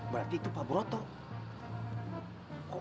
berarti itu pak broto